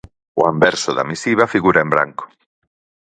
O anverso da misiva figura en branco.